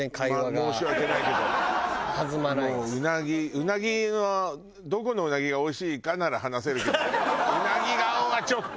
うなぎのどこのうなぎがおいしいかなら話せるけどうなぎ顔はちょっと。